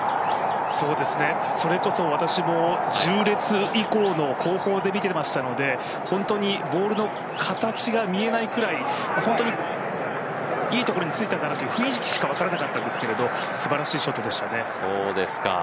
それこそ私も１０列以降の後方で見ていましたので、本当にボールの形が見えないくらい、本当にいいところについたかなという雰囲気しか分からなかったんですけど、すばらしいショットでしたね。